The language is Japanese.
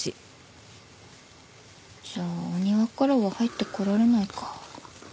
じゃあお庭からは入ってこられないか。